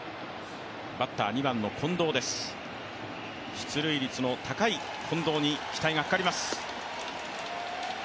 出塁率の高い近藤に期待がかかります。